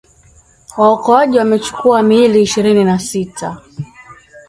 Waokoaji wamechukua miili ishirini na sita